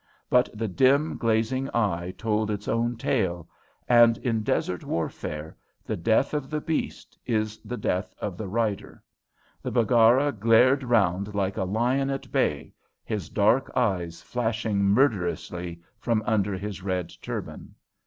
But the dim, glazing eye told its own tale, and in desert warfare the death of the beast is the death of the rider. The Baggara glared round like a lion at bay, his dark eyes flashing murderously from under his red turban.